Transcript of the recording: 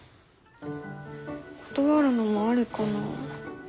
断るのもありかな。